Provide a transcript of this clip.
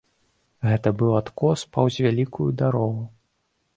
Гэта быў адкос паўз вялікую дарогу.